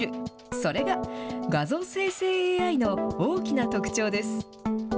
それが画像生成ＡＩの大きな特徴です。